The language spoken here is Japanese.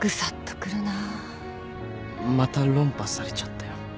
また論破されちゃったよ。